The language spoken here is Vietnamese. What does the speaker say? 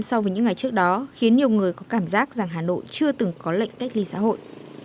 so với những ngày trước đó khiến nhiều người có cảm giác rằng hà nội chưa từng có lệnh cách ly xã hội